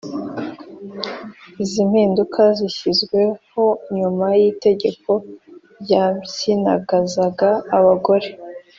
Izi mpinduka zishyizweho nyuma y’itegeko ryapyinagazaga abagore